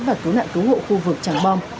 và cứu nạn cứu hộ khu vực tràng bom